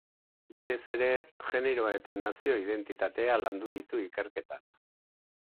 Batez ere generoa eta nazio identitatea landu ditu ikerketan.